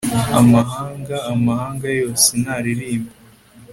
amahanga, amahanga yose, naririmbire